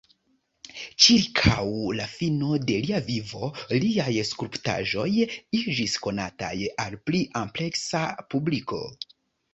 Ĉirkaŭ la fino de lia vivo liaj skulptaĵoj iĝis konataj al pli ampleksa publiko.